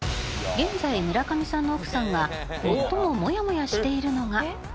現在村上さんの奥さんが最もモヤモヤしているのが。